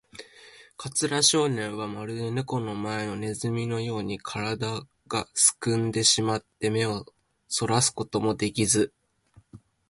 桂少年は、まるでネコの前のネズミのように、からだがすくんでしまって、目をそらすこともできず、